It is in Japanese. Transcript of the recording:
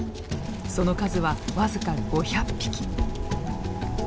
その数は僅か５００匹。